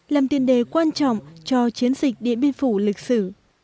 làm tiền đề quan trọng cho chiến dịch điện biên phủ lịch sử